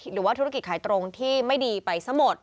หรือว่าธุรกิจขายตรงที่ไม่ดีไปซะหมด